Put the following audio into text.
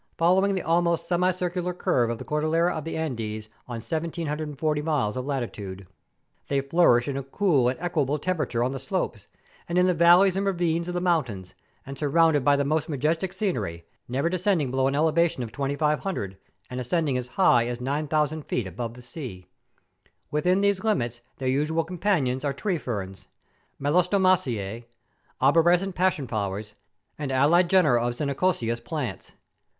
following the almost semicircular curve of the Cordillera of the Andes on 1740 miles of latitude. They flourish in a cool and equable tem¬ perature on the slopes, and in the valleys and ravines of the mountains, and surrounded by the most ma DISCOVERY OF PERUVIAN BARK. 307 jestic scenery, never descending below an elevation of 2500, and ascending as high as 9000 feet above the sea. Within these limits their usual companions are tree ferns, melastomaceae, arborescent passion¬ flowers, and allied genera of chinchonaceous. plants.